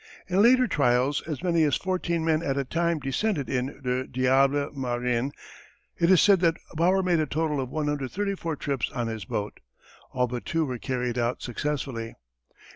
In later trials as many as fourteen men at a time descended in Le Diable Marin. It is said that Bauer made a total of 134 trips on his boat. All but two were carried out successfully.